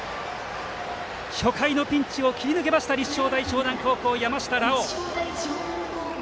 初回のピンチを切り抜けました立正大淞南高校、山下羅馬！